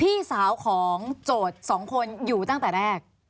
พี่สาวของโจทย์๒คนอยู่ตั้งแต่แรก